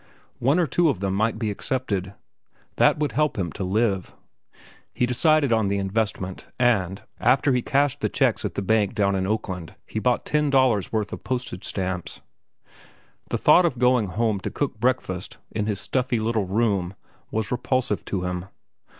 One or two of them might be accepted. That would help him to live. He decided on the investment, and, after he had cashed the checks at the bank down in Oakland, he bought ten dollars' worth of postage stamps. The thought of going home to cook breakfast in his stuffy little room was repulsive to him.